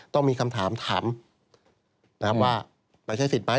ต้องมีคำถามถามนะครับว่าไม่ใช่ศิษย์ไหม